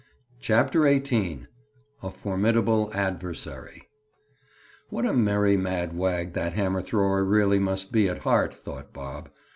CHAPTER XVIII—A FORMIDABLE ADVERSARY What a merry mad wag that hammer thrower really must be at heart! thought Bob.